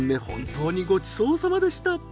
本当にごちそうさまでした。